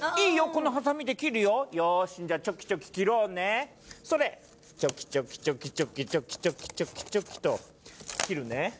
このハサミで切るよよしチョキチョキ切ろうねそれチョキチョキチョキチョキチョキチョキチョキチョキと切るね